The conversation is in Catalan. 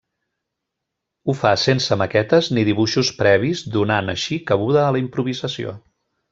Ho fa sense maquetes ni dibuixos previs donant, així, cabuda a la improvisació.